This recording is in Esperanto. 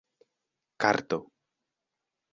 karto